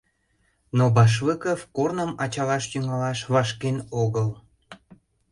Но Башлыков корным ачалаш тӱҥалаш вашкен огыл.